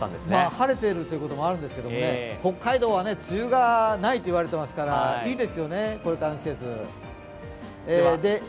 晴れているということもあるんですが、北海道は梅雨がないといわれていますから、これからの季節、いいですよね。